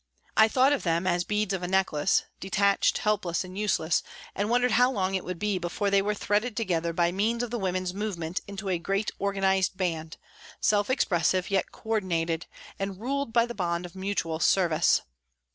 I thought of them as beads of a necklace, detached, helpless and useless, and wondered how long it would be before they were threaded together by means of the women's movement into a great organised band, self expressive yet co ordinated, and ruled by the bond of mutual service.